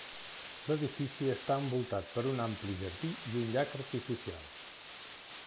L'edifici està envoltat per un ampli jardí i un llac artificial.